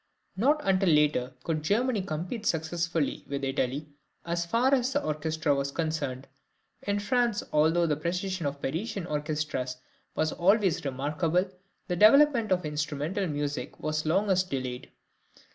Not until later could Germany compete successfully with Italy, as far as the orchestra was concerned; in France, although the precision of Parisian orchestras was always remarkable, the development of instrumental music was longest delayed.